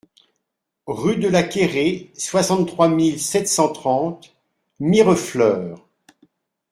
Rue de la Quéré, soixante-trois mille sept cent trente Mirefleurs